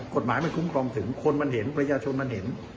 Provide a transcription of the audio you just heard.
กฎหมายไม่คุ้มพรองถึงคนมันเห็นคนมันเห็น